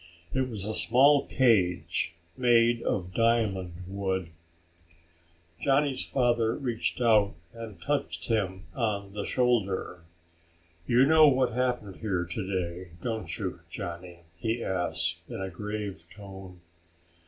It was a small cage made of diamond wood. Johnny's father reached out and touched him on the shoulder. "You know what happened here today, don't you, Johnny?" he asked in a grave tone.